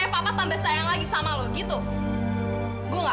arman kamu bisa gak sih mau ikut ikutin segala